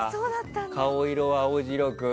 顔色は青白く